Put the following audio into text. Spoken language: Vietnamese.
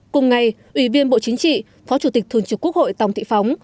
cùng ngày ủy viên bộ chính trị phó chủ tịch thường trực quốc hội tòng thị phóng